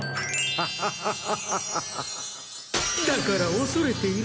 ハハハハ！